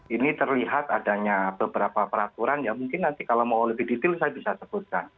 ini terlihat adanya beberapa peraturan yang mungkin nanti kalau mau lebih detail saya bisa sebutkan